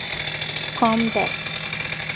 Comdr.